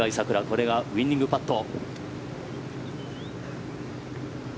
これがウィニングパット。